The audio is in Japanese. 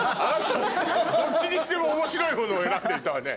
どっちにしても面白い方のを選んでいったわね。